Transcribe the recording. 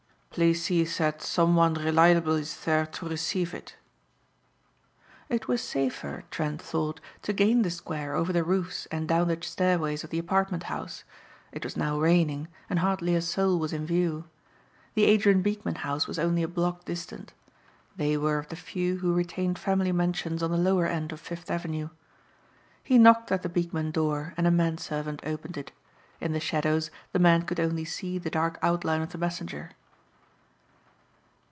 Please see that some one reliable is there to receive it." It was safer, Trent thought, to gain the Square over the roofs and down the stairways of the apartment house. It was now raining and hardly a soul was in view. The Adrien Beekman house was only a block distant. They were of the few who retained family mansions on the lower end of Fifth Avenue. He knocked at the Beekman door and a man servant opened it. In the shadows the man could only see the dark outline of the messenger.